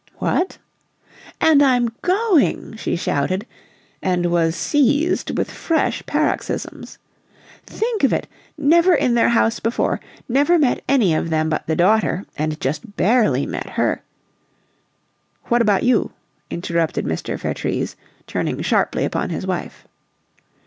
"What!" "And I'm GOING!" she shouted, and was seized with fresh paroxysms. "Think of it! Never in their house before; never met any of them but the daughter and just BARELY met her " "What about you?" interrupted Mr. Vertrees, turning sharply upon his wife.